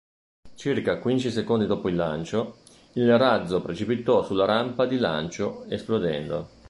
Circa quindici secondi dopo il lancio il razzo precipitò sulla rampa di lancio esplodendo.